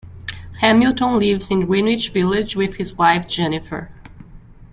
Hamilton lives in Greenwich Village with his wife Jennifer.